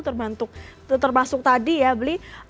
terbentuk termasuk tadi ya beli